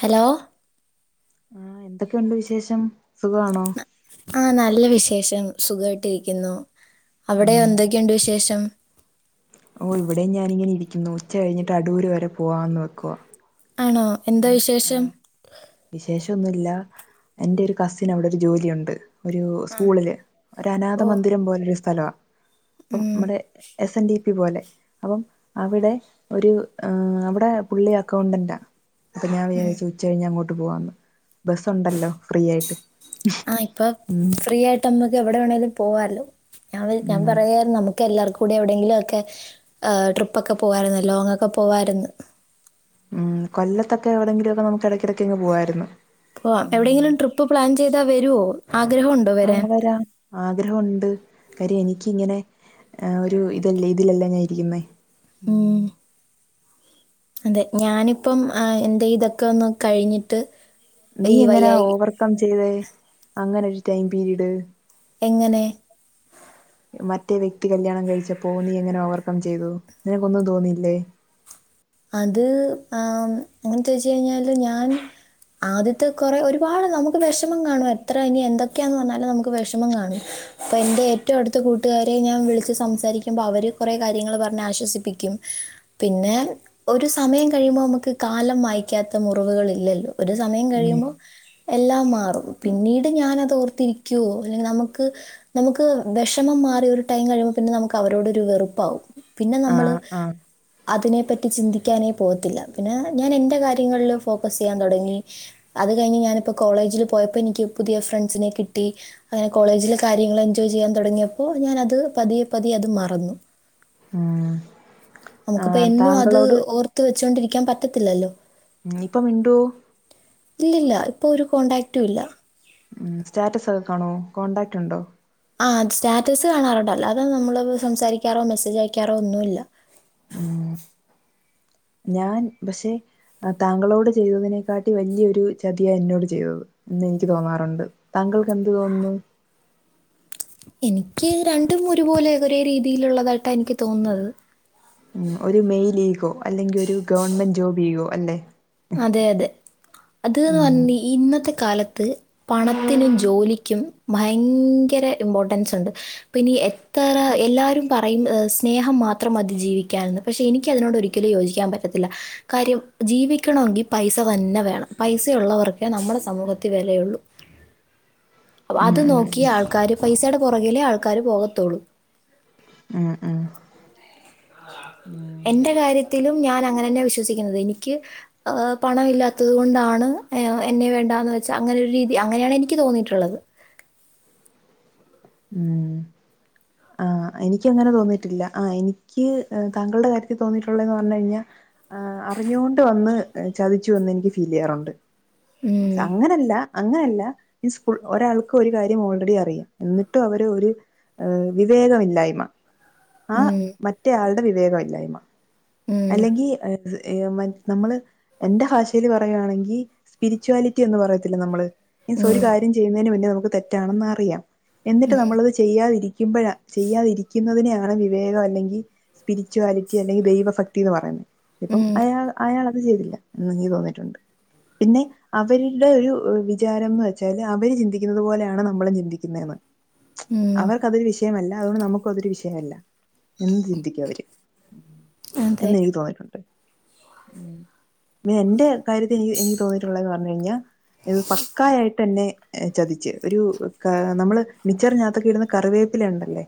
Hello ആ എന്തൊക്കെയുണ്ട് വിശേഷം സുഖാണോ ആ നല്ല വിശേഷം സുഖായിട്ടിരിക്കുന്നു അവിടെ ഉം എന്തൊക്കെയുണ്ട് വിശേഷം ഓ ഇവിടെ ഞാനിങ്ങനെ ഇരിക്കുന്നു ഉച്ച കഴിഞ്ഞിട്ട് അടൂർ വരെ പോവാന്ന് വെക്കുവ ആണോ എന്താ വിശേഷം വിശേഷന്നുല്ല എൻ്റെരു കസിന് അവിടെ ഒരു ജോലിയുണ്ട് ഒരു ആ സ്കൂളില് ഒരനാഥ ഓ മന്ദിരം പോലെ ഒരു സ്ഥലാ അപ്പം ഉം മ്മടെ എസ് എൻ ഡി പി പോലെ അപ്പം അവിടെ ഒരു അവിടെ പുള്ളി അക്കൗണ്ടന്റാ അപ്പൊ ഞാൻ വിചാരിച്ചു ഉച്ച കഴിഞ്ഞ് അങ്ങോട്ട് പോവാന്ന് ബസ്സുണ്ടല്ലോ ഫ്രീയായിട്ട് ഉം പ്പ നമ്മക്ക് എവിടെ വേണെേലും പോവാലോ ഞ ഞാൻ ഉം പറയാരുന്നു നമു ക്കെല്ലാർക്കും കൂടെ എവിടെങ്കിലും ഒക്കെ ട്രിപ്പ് ഒക്കെ പോവയിരുന്നല്ലോ ലോങ്ങൊക്കെ പോവായിരുന്ന് ഉം കൊല്ലത്തൊക്കെ എവിടെങ്കിലൊക്കെ നമുക്ക് ഇടക്കിടയ്ക്കങ്ങ് പോവായിരുന്നു പോവാം എവിടെയെങ്കിലും ട്രിപ്പ് പ്ലാൻ ചെയ്താ വരുവോ ആഗ്രഹം ഉ ആരാവരാ ആഗ്രഹഒണ്ട് കാര്യം എനിക്കിങ്ങനെ ഒരു ഇതല്ലേ ഇതിലല്ല ഞാൻ ഇരിക്കുന്നെ ഉം അതെ ഞാനിപ്പം ഏഹ് എന്റെ ഇതൊക്കെ ഒന്ന് കഴിഞ്ഞിട്ട് നീ ഈ എങ്ങനാ വയ്യായി ഓവർക്കം ചെയ്തെ അങ്ങനെ ഒരു ടൈം പീരിഡ് എങ്ങനെ മറ്റേ വെക്തി കല്യാണം കഴിച്ചപ്പോ നീ എങ്ങനെ ഓവർകം ചെയ്തു നിനക്കൊന്നും തോന്നിയില്ലേ അത് ആഹ് അങ്ങനെ ചോയ്ച്ച് കഴിഞ്ഞാല് ഞാൻ ആദ്യത്തെ കുറെ ഒരുപാട് നമുക്ക് വിഷമം കാണും എത്ര ഇനി എന്തൊക്കെയാന്ന് പറഞ്ഞാലും നമുക്ക് വിഷമം കാണും അപ്പൊ എന്റെ ഏറ്റവും അടുത്ത കൂട്ടുകാരെ ഞാൻ വിളിച്ച് സംസാരിക്കുമ്പോൾ അവര് കുറെ കാര്യങ്ങള് പറഞ്ഞ് ആശ്വസിപ്പിക്കും പിന്നെ ഒരു സമയം കഴിയുമ്പോ നമുക്ക് കാലം മായിക്കാത്ത മുറിവുകൾ ഇല്ലല്ലോ ഒരു സമയം കഴിയുമ്പോ എല്ലാം മാറും പിന്നീട് ഞാനത് ഓർത്തിരിക്കുവോ അല്ലെങ്കിൽ നമുക്ക് നമുക്ക് വിഷമം മാറി ഒരു ടൈം കഴിയുമ്പോ പിന്നെ നമുക്ക് അവരോട് ഒരു വെറുപ്പാവും പിന്നെ ആ നമ്മള് ആ അതിനെ പറ്റ് റ്റി ചിന്തിക്കാനേ പോവത്തില്ല പിന്നെ ഞാൻ എൻ്റെ കാര്യങ്ങളിൽ ഫോക്കസ് ചെയ്യാൻ തുടങ്ങി അത് കഴിഞ്ഞ് ഞാനിപ്പോ കോളേജിൽ പോയപ്പോ എനിക്ക് പുതിയ ഫ്രണ്ട്സിനെ കിട്ടി അങ്ങനെ കോളേജിലെ കാര്യങ്ങള് എൻജോയ് ചെയ്യാൻ തുടങ്ങിയപ്പോ ഞാനത് പതിയെ പതിയെ അത് മറന്നു ഉം ആ നമുക്കിപ്പ എന്നും അത് താങ്കളോട് ഓർത്ത് വെച്ചൊണ്ടിരിക്കാൻ പറ്റത്തില്ലല്ലോ ആഹ് ഇപ്പ മിണ്ടോ ഇല്ലില്ല ഇപ്പോ ഒരു കോൺടാക്റ്റും ഇല്ല ഉം സ്റ്റാറ്റസ് ഒക്കെ കാണോ കോൺടാക്റ്റ് ഉണ്ടോ ആഹ് അത് സ്റ്റാറ്റസ് കാണാറുണ്ട് അല്ലാതെ നമ്മൾ സംസാരിക്കാറോ മെസ്സേജ് അയക്കാറോ ഒന്നുവില്ല ഉം ഞാൻ പക്ഷെ താങ്കളോട് ചെയ്തതിനെക്കാട്ടി വലിയൊരു ചതിയാ എന്നോട് ചെയ്തത് എന്ന് എനിക്ക് തോന്നാറുണ്ട് താങ്കൾക്ക് എന്ത് തോന്നുന്നു എനിക്ക് രണ്ടും ഒരുപോലെ ഒരേ രീതിയിലുള്ളതായിട്ടാ എനിക്ക് തോന്നുന്നത് ഉം ഒരു മെയിൽ ഈഗോ അല്ലെങ്കിൽ ഒരു ഗവൺമെന്റ് ജോബ് ഈഗോ അല്ലെ അതെ അതെ അത്ന്ന് പറഞ് ഇന്നത്തെ കാലത്ത് പണത്തിനും ജോലിക്കും ഭയങ്കര ഇമ്പോർട്ടൻസ് ഉണ്ട് ഇപ്പനി എ ത്ര എല്ലാരും പ അയ്ൻ സ്നേഹം മാത്രം മതി ജീവിക്കാൻന്ന് പക്ഷെ എനിക്കതിനോട് ഒരിക്കലും യോജിക്കാം പറ്റത്തില്ലാ കാര്യം ജീവി ക്കണോങ്കി പൈസ തന്നെ വേണം പൈസയുള്ളവർക്കേ നമ്മടെ സമൂഹത്തി വെലയാെള്ളൂ ഉം അത് ഉം നോക്കി ആൾക്കാര് പൈസേടെ പാെറകിലേ ആൾക്കാര് പോകത്തൊള്ളു ഉം ഉം ഉം എന്റെ കാര്യത്തിലും ഞാൻ അങ്ങനന്നെ വിശ്വസിക്ക്ന്നത് എനിയ്ക്ക് ഏഹ് പണമില്ലാത്തത് കൊണ്ടാണ് എന്നെ വേണ്ടാന്ന് വെച്ച അങ്ങനെ ഒരു രീതി അങ്ങനെയാണ് എനിക്ക് തോന്നിയിട്ട്ള്ളത് ഊം ആഹ് എനിക്ക് അങ്ങനെ തോന്നിയിട്ടില്ലാ ആഹ് എനിക്ക് താങ്കൾടെ കാര്യത്തിൽ തോന്നിയിട്ടുള്ളേന്ന് പർഞ്ഞ് കയ്ഞ്ഞാ ആഹ് അറിഞ്ഞു കൊണ്ട് വന്ന് ചതിച്ചു എന്ന് എനിക്ക് ഫീല്യ്യാറുണ്ട് ഉം. അങ്ങനെല്ലാ അങ്ങനെല്ലാ മീൻസ് ഫുൾ ഒരാൾക്ക് ഒരു കാര്യം ഓൾറെഡി അറിയാം എന്നിട്ടും അവര് ഒര് ഏഹ് വിവേകമില്ലായ്മ ആ ഉം. മറ്റേ ആൾടെ വിവേകമില്ലായ്മ ഉം. അല്ലെങ്കി [unintelligible] ഏഹ് മ നമ്മള് എന്റെ ഭാഷേല് പറയുവാണെങ്കി സ്പിരിച്ച്വാലിറ്റി എന്ന് പറയത്തില്ലെ നമ്മള് മീൻസ് ഒരു ഉം. കാര്യം ചെയ്യ്ന്നേന് മുന്നേ നമുക്ക് തെറ്റാണെന്ന് അറിയാം എന്നിട്ട് നമ്മളത് ചെയ്യാതിരിക്ക്മ്പഴാ ചെയ്യാതിരിക്ക്ന്നതിനെയാണ് വിവേകം അല്ലെങ്കി സ്പിരിച്വാലിറ്റി അല്ലെങ്കി ദൈവ ഫക്തീന്ന് പറയ്ന്ന് ഇപ്പം ഉം. അയാൾ അയാളത് ചെയ്തില്ല ന്ന് ൻയ്ക്ക് തോന്നിയിട്ടുണ്ട് പിന്നെ അവര്ടെ ഒരു വിചാരംന്ന് വെച്ചാല് അവര് ചിന്തിക്ക്ന്നത് പോലെ ആണ് നമ്മളും ചിന്തിക്ക്ന്നേന്ന് ഉം. ഉം. അവർക്ക് അതൊരു വിഷയമല്ല അതുകൊണ്ട് നമുക്കും അതൊരു വിഷയല്ല എന്ന് ചിന്തിക്കും അവര് അതെ. എന്ന് എനിക്ക് തോന്നിയ്ട്ടു പിന്നെ എന്റെ കാര്യത്തി എനിക്ക് എനിക്ക് തോന്നിയിട്ടുള്ളത്‌ന്ന് പർഞ്ഞ് കയ്ഞ്ഞാ ഇത് പക്കായായിട്ടെന്നെ ചതിച്ച് ഒരു ക നമ്മള് മിച്ചറിഞ്ഞകത്തൊക്കെ ഇട്ന്ന കറിവേപ്പിലയുണ്ടല്ലേ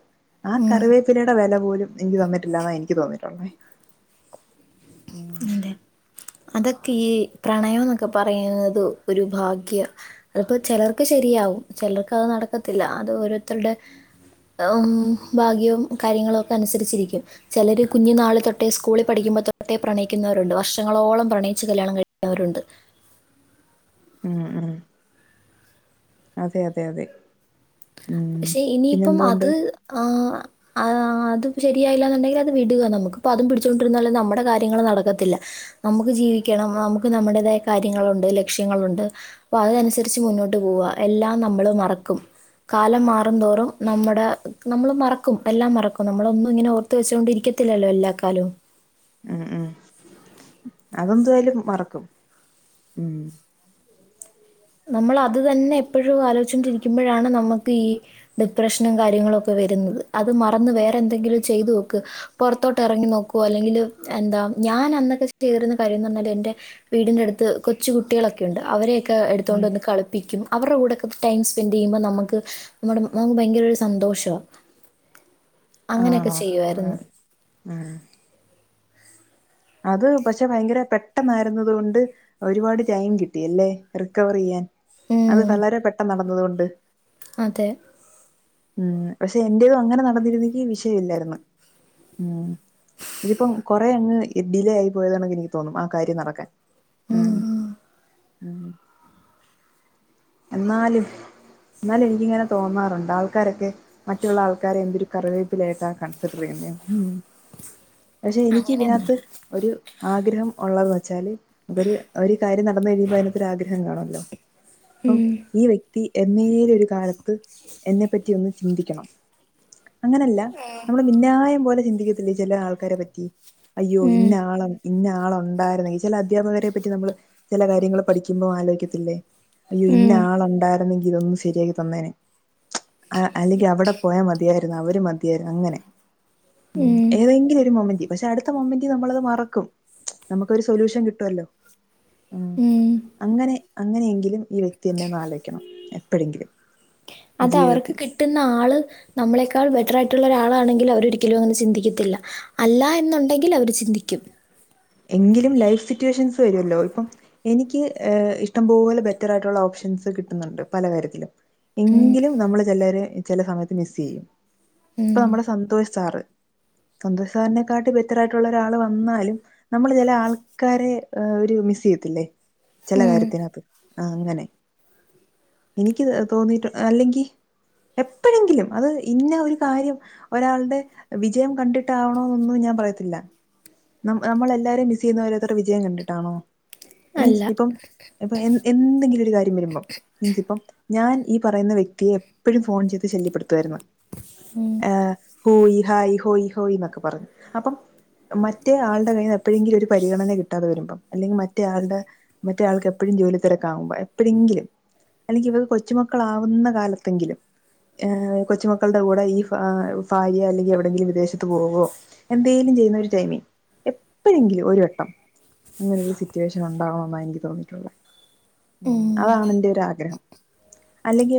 ആ ഉം. കറിവേപ്പിലേടെ വെല പോലും എനിക്ക് തന്നിട്ടില്ലാന്നാ എനിക്ക് തോന്നിയിട്ടുള്ളേ ഉം അതെ അതൊക്കെ ഈ പ്രണയോന്നൊക്കെ പറയ്ന്നത് ഒരു ഭാഗ്യാ അത്പ്പോ ചെലർക്ക് ശെരിയാവും ചെലർക്ക് അത് നടക്കത്തില്ല അത് ഓരോര്ത്തര്ടെ ഉം ഭാഗ്യവും കാര്യങ്ങളും ഒക്കെ അൻസര്ച്ചിരിക്കും ചെലെര് കുഞ്ഞു നാള് തൊട്ടേ സ്കൂളി പഠിക്കുമ്പതൊട്ടേ പ്രണയിക്ക്ന്നവരുണ്ട് വർഷങ്ങളോളം പ്രണയിച്ച് കല്യാണം കഴിക്ക്ന്നവരുണ്ട് ഉം ഉം അതെ അതെ അതെ ഉം പക്ഷെ പിന്നെ ഇനിയിപ്പം എന്തുണ്ട് അത് ആഹ് ആഹ് അതും ശെരിയായില്ലാന്ന്ണ്ടെങ്കിലത് വിട്ക നമുക്ക്പ്പോ അതും പിടിച്ചോണ്ടിര്ന്നാല് നമ്മടെ കാര്യങ്ങള് നടക്കത്തില്ലാ നമുക്ക് ജീവിക്കണം നമുക്ക് നമ്മുടേതായ കാര്യങ്ങളുണ്ട് ലക്ഷ്യങ്ങളുണ്ട് പ്പം അത്‌നൻസര്ച്ച് മുന്നോട്ട് പോവാ എല്ലാം നമ്മള് മറക്കും കാലം മാറും തോറും നമ്മ്ടെ നമ്മള് മറക്കും എല്ലാം മറക്കും നമ്മളൊന്നും ഇങ്ങെനെ ഓ ർത്ത് വെച്ചോണ്ടിരിക്കത്തില്ലല്ലോ എല്ലാ കാലവും ഉം ഉം അതെന്തുവായാലും മറക്കും ഉം നമ്മളത് തന്നെ എപ്പഴും ആലോയ്ച്ചാേണ്ടിരിക്ക്മ്പഴാണ് നമ്മക്ക് ഈ ഡിപ്രഷനും കാര്യങ്ങളൊക്കെ വെര്ന്നത് അത് മറന്ന് വേറെ എന്തെങ്കിലും ചെയ്ത് നോക്ക് പൊറത്തോട്ട് എറെങ്ങി നോക്കാേ അല്ലെങ്കില് എന്താ ഞാൻ അന്നൊക്കെ [unintelligible] യ്തിര്ന്ന കാര്യംന്ന് പർഞ്ഞാല് എന്റെ വീടിന്റട്ത്ത് കൊച്ചു കുട്ടികളൊക്കെയുണ്ട് അവരെയെക്കെ എട്ത്താേണ്ട് ഉം വന്ന് കളിപ്പിക്കും അവരുടെ കൂടൊക്ക ടൈം സ്പെൻഡ് ചെയ്യുമ്പോൾ നമുക്ക് നമ്മുടെ നമുക്ക് ഭയങ്കര ഒരു സന്തോഷവാ അങ്ങനെയൊക്കെ ആണോ ചെയ്യുവായിരുന്നു ആഹ് ഉം അത് പക്ഷെ ഭയങ്കര പെട്ടെന്നായിരുന്നത് കൊണ്ട് ഒരുപാട് ടൈം കിട്ടി അല്ലെ റിക്കവർ ചെയ്യാൻ അത് ഉം. വളരെ പെട്ടെന്ന് നടന്നത് കൊണ്ട് അതെ ഉം പക്ഷെ എന്റേതും അങ്ങനെ നടന്നിരുന്നെങ്കി വിഷയവില്ലായിരുന്നു ഉം ഇതിപ്പം കൊറെ അങ്ങ് ഡിലേ ആയി പോയോന്നൊക്കെ എനിക്ക് തോന്നും ആ കാര്യം നടക്കാൻ ഉം എന്നാലും എന്നാലും എനിക്കിങ്ങനെ തോന്നാറുണ്ട് ആൾക്കാരൊക്കെ മറ്റുള്ള ആൾക്കാരെ എന്തൊരു കറിവേപ്പിലായിട്ടാ കൺസിഡർ ചെയ്യുന്നെന്ന് [unintelligible] പക്ഷേ എനിക്ക് ഇതിനകത്ത് ഒരു ആഗ്രഹം ഉള്ളത് വെച്ചാൽ ഒരു ഒരു കാര്യം നടന്ന് കഴിയുമ്പോൾ അതിനാത്തൊരു ആഗ്രഹം കാണുല്ലോ അപ്പം ഈ വ്യക്തി എന്നേലും ഒരു കാലത്ത് എന്നെ പറ്റി ഒന്ന് ചിന്തിക്കണം അങ്ങനല്ല നമ്മള് മിന്യയം പോലെ ചിന്തിക്കത്തില്ലേ ചില ആൾക്കാരെ പറ്റി അയ്യോ ഉം. ഇഞ്ഞ ആള് ഇഞ്ഞ ആളുണ്ടായിരുന്നകി ചില അധ്യാപകരെ പറ്റി നമ്മള് ചില കാര്യങ്ങൾ പഠിക്കുമ്പോ ആലോചിക്കത്തില്ലേ അയ്യോ ഉം. ഇന്ന ആളുണ്ടായിരുന്നെങ്കി ഒന്ന് ശരിയാക്കി തന്നേനെ അല്ലെങ്കി അവിടെ പോയാമതിയായിരുന്നു അവര് മതിയായിരുന്നു അങ്ങനെ ഉ ഉം. ഏതെങ്കിലും ഒരു മൊമെന്റ് പക്ഷെ അടുത്ത മൊമെന്റില് നമ്മളത് മറക്കും നമുക്കൊരു സൊല്യൂഷൻ കിട്ടുവല്ലോ ഉം ഉം. അങ്ങനെ അങ്ങനെയെങ്കിലും ഈ വ്യക്തിെ ഒന്ന് ആലോചക്കണം എപ്പോഴെങ്കിലും അത് അവർക്ക് ജീവിതത്തിൽ കിട്ട കിട്ടുന്ന ആൾ നമ്മളെക്കാൾ ബെറ്റർ ആയിട്ടുള്ള ഒരാളാണെങ്കിൽ അവര് ഒരിക്കലും അങ്ങനെ ചിന്തിക്കത്തില്ല അല്ല എന്നുണ്ടെങ്കില് അവര് ചിന്തിക്കും എങ്കിലും ലൈഫ് സിറ്റുവേഷൻസ് വരുവല്ലോ ഇപ്പം എനിക്ക് ഇഷ്ടം പോലെ ബെറ്ററായിട്ടുള്ള ഓപ്ഷൻസ് കിട്ടുന്നുണ്ട് പല കാര്യത്തിലും ഉം, എങ്കിലും നമ്മള് ചിലരെ ചില സമയത്ത് മിസ് ചെയ്യും ഉം, ഇപ്പൊ നമ്മെളെ സന്തോഷ് സാറ് സന്തോഷാരനെക്കാട്ടിലും ബെറ്ററായിട്ടുള്ള ഒരാൾ വന്നാലും നമ്മള് ചില ആൾക്കാരെ ഒരു മിസ് ചെയ്യത്തില്ലേ ചില ഉം, കാര്യത്തിനാത്ത് ആ അങ്ങനെ എനിക്ക് തോന്നീട്ടു അല്ലെങ്കി, എപ്പൊഴെങ്കിലും അത് ഇന്ന ഒരു കാര്യം ഒരാളുടെ വിജയം കണ്ടിട്ടാവണോന്നൊന്നും ഞാൻ പറയത്തില്ല നമ്മളെല്ലാരും മിസെയ്യുന്നതവരെ വിജയം കണ്ടിട്ടാണോ, അല്ല മീൻസ് ഇപ്പം. അപ്പൊ എ എന്തെങ്കിലും ഒരു കാര്യം വരുമ്പോം മീൻസ് ഇപ്പം ഞാൻ ഈ പറയുന്ന വ്യക്തിയെ എപ്പോഴും ഫോൺ ചെയ്ത് ശല്യപ്പെടുത്തുവായിരുന്നു ഹോയ് ഹായ് ഹോയ് ഹോയ് എന്നൊക്കെ പറഞ്ഞു അപ്പം മറ്റേ ആളുടെ കയ്യിന്ന് എപ്പോഴെങ്കിലും ഒരു പരിഗണന കിട്ടാതെ വരുമ്പം അല്ലെങ്കിൽ മറ്റേ ആളുടെ മറ്റേയാൾക്ക് എപ്പോഴും ജോലി തിരക്കാകുമ്പോ എപ്പൊഴെങ്കിലും അല്ലെങ്കിൽ ഇവർ കൊച്ചുമക്കളാവുന്ന കാലത്തെങ്കിലും കൊച്ചുമക്കളുടെ കൂടെ ഈ ഭാര്യ അല്ലെങ്കില് എവിടെയെങ്കിലും വിദേശത്ത് പോകുമ്പോ എന്തേലും ചെയ്യുന്നൊരു ടൈമിങ് എപ്പോഴെങ്കിലും ഒരു വട്ടം അങ്ങനൊരു സിറ്റുവേഷൻ ഉണ്ടാകണമെന്ന എനിക്ക് തോന്നിയിട്ടുള്ളത് ഉം. അതാണെന്റെ ഒരു ആഗ്രഹം അല്ലെങ്കി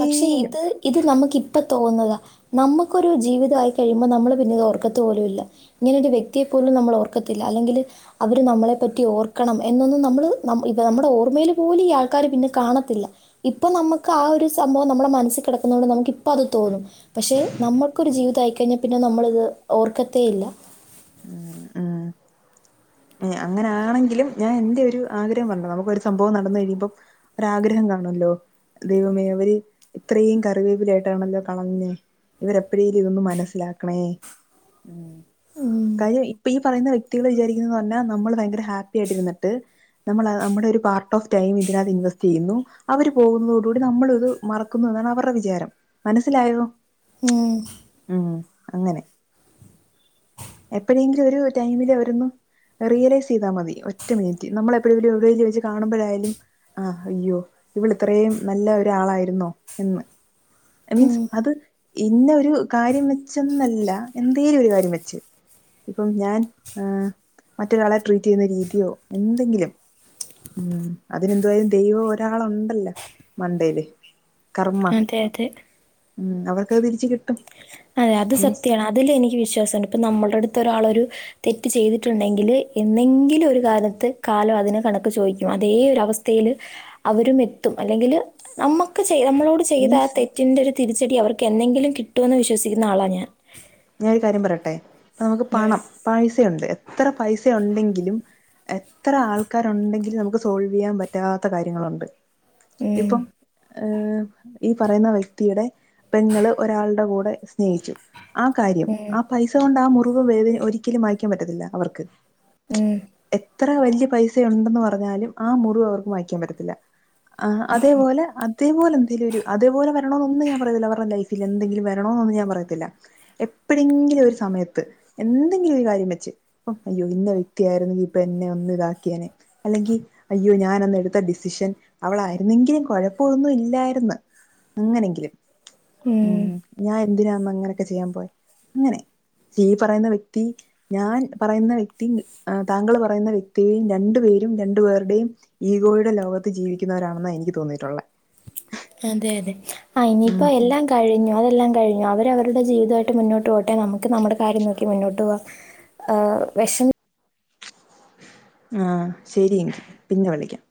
പക്ഷെ ഇത് ഇത് നമുക്ക ഇപ്പം തോന്നുന്നത നമുക്കൊരു ജീവിതമായി കഴിയുമ്പോൾ നമ്മൾ പിന്നെ ഇത് ഓർക്കത്ത് പോലും ഇല്ല ഇങ്ങനൊരു വ്യക്തിയെ പോലും നമ്മൾ ഓർക്കത്തില്ല അല്ലെങ്കില് അവര് നമ്മളെ പറ്റി ഓർക്കണം എന്നൊന്നും നമ്മള് ഇ നമ്മുടെ ഓർമ്മേല് പോലും ഈ ആൾക്കാര് പിന്നെ കാണത്തില്ല ഇപ്പൊ നമുക്ക് ആ ഒരു സംഭവം നമ്മുടെ മനസ്സില് കെടക്കുന്നൊണ്ടത് നമുക്ക് ഇപ്പ അത് തോന്നും പക്ഷെ നമ്മക്കൊരു ജീവിതായിക്കയ്ഞ്ഞാ, പിന്നെ നമ്മളിത് ഓർക്കത്തേയില്ല. [inaudible] അങ്ങനൊണെങ്കിലും ഞാൻ എന്റെ ഒരു ആഗ്രഹം പറഞ്ഞതാ നമുക്കൊരു സംഭവം നടന്നു കഴിയുമ്പം ഒരുരാഗ്രഹം കാണോല്ലോ ദൈവമേ അവര് ഇത്രയും കറിവേപ്പിലായ്ട്ടാണല്ലോ കളഞ്ഞേ, ഇവരെപ്പഴേലും ഇതൊന്ന് മനസ്സിലാക്കണേ ഉം കാര്യം ഇപ്പൊ ഈ പറയുന്ന വ്യക്തികളെ വിചാരിക്കുന്ന എന്ന് പറഞ്ഞാൽ നമ്മൾ ഭയങ്കര ഹാപ്പി ആയിട്ടിരുന്നിട്ട്. നമ്മള് നമ്മുടൊരു പാർട്ട് ഓഫ് ടൈം ഇതിനകത്ത് ഇൻവെസ്റ്റെയ്യുന്നു. അവര് പോകുന്നതോടുകൂടി നമ്മളിത്, മറക്കുന്നു ന്നാണ് അവർടെ വിചാരം. മനസ്സിലായോ? മ്. ഉം അങ്ങനെ എപ്പോഴെങ്കിലും ഒരു ടൈമില് അവരൊന്നും റിയലൈസ് ചെയ്താൽ മതി ഒറ്റ മിനിറ്റ് നമ്മള എപ്പോഴെും വഴീല് വെച്ച് കാണുമ്പോഴായാലും ആഹ് അയ്യോ ഇവിൾ ഇത്രയും നല്ല ഒരാളായിരുന്നോ എന്ന് ഐ ഉം മീൻസ് അത് ഇന്ന ഒരു കാര്യം വെച്ചെന്നല്ല എന്തെലും ഒരു കാര്യം വെച്ച് ഇപ്പം ഞാൻ മറ്റൊരാളെ ട്രീറ്റ് ചെയ്യുന്ന രീതിയോ എന്തെങ്കിലും അതിനെന്തുവായാലും, ദൈവം ഒരാള്ണ്ടല്ലോ മണ്ടേല്. കർമ്മ അതെ അതെ. ഉം അവർക്കത് തിരിച്ച് കിട്ടും അതെ അത് മീൻസ് സത്യാണ് അതില് എനിക്ക് വിശ്വാസണ്ട് ഇപ്പൊ നമ്മളുടെ അടുത്ത് ഒരാളൊരു തെറ്റ് ചെയ്തിട്ടുണ്ടെങ്കില് എന്നെങ്കിലും ഒരു കാലത്ത് കാലം അതിന് കണക്ക് ചോദിക്കും അതേ ഒരവസ്ഥ ത്തേല് അവരും എത്തും അല്ലെങ്കില് നമുക്ക് ചെയ്യാം നമ്മളോട് ചെയ്ത ആ മീൻസ് തെറ്റിന്റെ ഒരു തിരിച്ചടി അവർക്ക് എന്നെങ്കിലും കിട്ടുമെന്ന് വിശ്വസിക്കുന്ന ആളാണ് ഞാൻ ഞാനന് ഒരു കാര്യം പറയട്ടെ നമുക്ക് ഉം. പണം പൈസുണ്ട് എത്ര പൈസ ഉണ്ടെങ്കിലും എത്ര ആൾക്കാരുണ്ടെങ്കിലും നമുക്ക് സോൾവ് ചെയ്യാൻ പറ്റാത്ത കാര്യങ്ങളൊണ്ട് ഉം. ഇപ്പം ഈ പറയുന്ന വ്യക്തിയുടെ പെങ്ങൾ ഒരാൾടെ കൂടെ സ്നേഹിച്ചു. ആ കാര്യം ആ പൈസ കൊണ്ട് ആ മുറിവ് വേദന ഒരിക്കലും മായിക്കാൻ പറ്റത്തില്ല അവർക്ക് ഉം എത്ര വലിയ പൈസ ഉണ്ടെന്ന് പറഞ്ഞാലും ആ മുറിവ് അവർക്ക് മായിക്കാൻ പറ്റത്തില്ല ആഹ് അതേപോലെ അതേപോലെന്തേലുമൊരു അതേപോലെവരണമെന്നൊന്നും ഞാൻ പറയത്തില്ല അവരുടെ ലൈഫിൽ എന്തെങ്കിലു വരണമെന്നൊന്നും ഞാൻ പറയത്തില്ല എപ്പോഴെങ്കിലും ഒരു സമയത്ത് എന്തെങ്കിലും ഒരു കാര്യം വെച്ച് അപ്പ അയ്യോ ഇന്ന വ്യക്തിയായിരുന്നു ഇപ്പൊ എന്നെ ഒന്ന് ഇതാക്കിയേനെ അല്ലെങ്കി അയ്യോ ഞാൻ അന്ന് എടുത്ത ഡിസിഷൻ അവളായിരുന്നെങ്കിലും കൊഴപ്പമൊന്നും ഇല്ലായിര്ന്ന് അങ്ങനെങ്കിലും ഉം. ഞാന് എന്തിനാമ്മ ഇങ്ങനൊക്കെ ചെയ്യാൻ പോയേ അങ്ങനെ ഈ പറയുന്ന വ്യക്തി ഞാൻ പറയുന്ന വ്യക്തി താങ്കൾ പറയുന്ന വ്യക്തിയയും രണ്ടു പേരും രണ്ടു പേരുടെയും ഈഗോയുടെ ലോകത്ത് ജീവിക്കുന്നവരാണെന്ന എനിക്ക് തോന്നിയിട്ടുള്ളെ. അതെ അതെ ആ ഉം ഇനിയിപ്പോ എല്ലാം കഴിഞ്ഞു അതെല്ലാം കഴിഞ്ഞു അവര് അവരുടെ ജീവിതമായിട്ട് മുന്നോട്ട് പോകട്ടെ നമുക്ക് നമ്മുടെ കാര്യം നോക്കി മുന്നോട്ട് പോകാം. ആ വെശ ആ ശരി, പിന്നെവിളിക്കാം.